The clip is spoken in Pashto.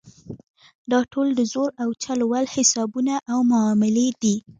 دا ټول د زور او چل ول حسابونه او معاملې دي.